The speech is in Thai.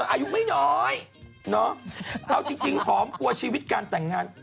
อายุไม่น้อยเนาะเอาจริงหอมกลัวชีวิตการแต่งงาน